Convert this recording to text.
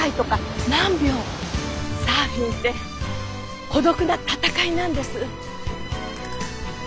サーフィンって孤独な闘いなんです。